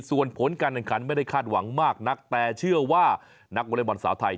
ส่วนผลการแข่งขันไม่ได้คาดหวังมากนักแต่เชื่อว่านักวอเล็กบอลสาวไทย